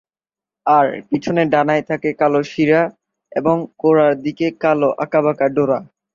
আর পেছনের ডানায় থাকে কালো শিরা এবং গোড়ার দিকে কালো আঁকাবাঁকা ডোরা।